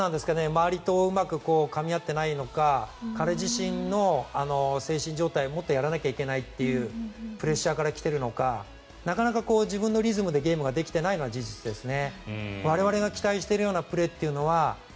周りとうまくかみ合っていないのか彼自身の精神状態、もっとやらなければいけないというプレッシャーから来ているのかなかなか自分のリズムでゲームができていないのは事実ですね。